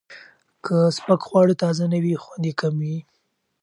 که سپک خواړه تازه نه وي، خوند یې کم وي.